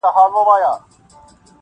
خو یو وخت څارنوال پوه په ټول داستان سو,